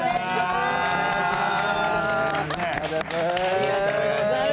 ありがとうございます。